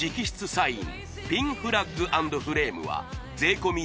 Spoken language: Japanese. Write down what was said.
サインピンフラッグ＆フレームは税込